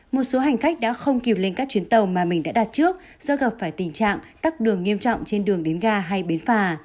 một số hành khách đã không kịp lên các chuyến tàu mà mình đã đặt trước do gặp phải tình trạng tắt đường nghiêm trọng trên đường đến ga hay bến phà